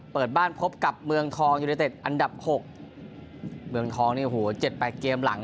เปิดบ้านพบกับเมืองทองยูเนเต็ดอันดับหกเมืองทองเนี่ยโหเจ็ดแปดเกมหลัง